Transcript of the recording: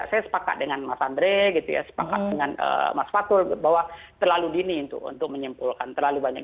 saya sepakat dengan mas andre gitu ya sepakat dengan mas fatul bahwa terlalu dini untuk menyimpulkan terlalu banyak